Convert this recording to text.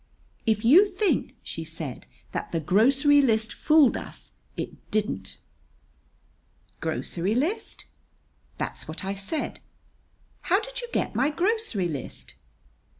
"If you think," she said, "that the grocery list fooled us, it didn't!" "Grocery list?" "That's what I said." "How did you get my grocery list?"